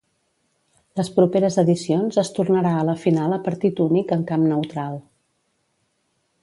Les properes edicions es tornarà a la final a partit únic en camp neutral.